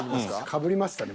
かぶりましたね